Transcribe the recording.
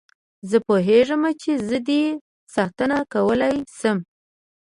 زه پوهېږم چې زه دې ساتنه کولای شم.